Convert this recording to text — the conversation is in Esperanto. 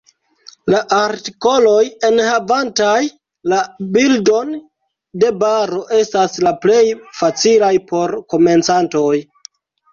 La artikoloj enhavantaj la bildon de baro estas la plej facilaj por komencantoj.